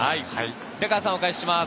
平川さん、お返しします。